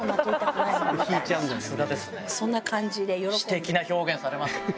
詩的な表現されますね。